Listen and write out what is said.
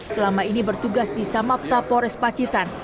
selama ini bertugas di samapta pores pacitan